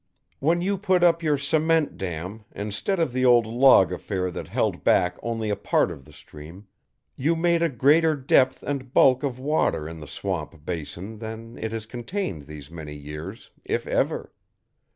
When you put up your cement dam instead of the old log affair that held back only a part of the stream, you made a greater depth and bulk of water in the swamp basin than it has contained these many years, if ever.